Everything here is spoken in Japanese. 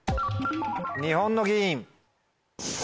「日本の議員」。